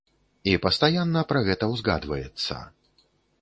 І пастаянна пра гэта ўзгадваецца.